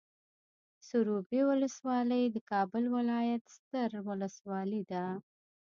سروبي ولسوالۍ د کابل ولايت ستر ولسوالي ده.